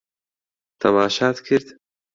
تەماشات کرد؟